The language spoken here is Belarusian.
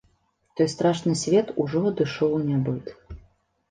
Той страшны свет ужо адышоў у нябыт.